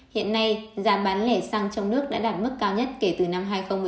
hiện nay giá bán lẻ xăng trong nước đã đạt mức cao nhất kể từ năm hai nghìn một mươi